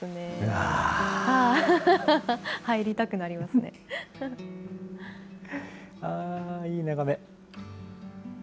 あー、いい眺め。